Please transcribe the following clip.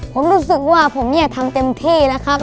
ผมรู้สึกว่าผมเนี่ยทำเต็มที่แล้วครับ